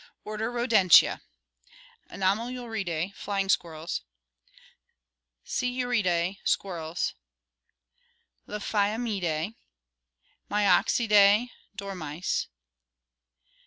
Order Rodentia. Anomaluridae, flying squirrels. Sciuridas, squirrels. Lophiomyidae. Myoxidae, dormice.